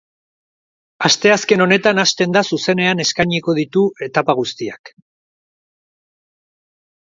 Asteazken honetan hasten da zuzenean eskainiko ditu etapa guztiak.